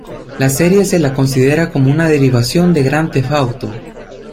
La serie se la considera como una derivación de "Grand Theft Auto".